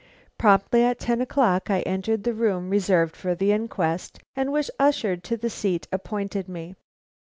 Promptly at ten o'clock I entered the room reserved for the inquest, and was ushered to the seat appointed me.